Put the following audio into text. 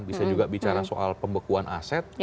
bisa juga bicara soal pembekuan aset